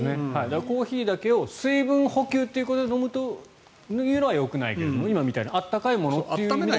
コーヒーだけを水分補給ということで飲むというのはよくないけども今みたいに温かいものをというのは。